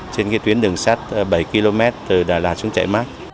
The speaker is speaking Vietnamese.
trên cái tuyến đường sát bảy